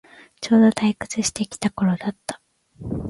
ちょうど退屈してきた頃だった